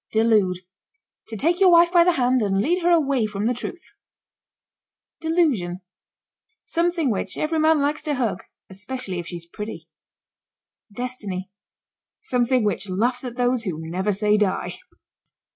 DELUDE. To take your wife by the hand and lead her away from the truth. DELUSION. Something which every man likes to hug especially if she's pretty. DESTINY. Something which laughs at those who never say die.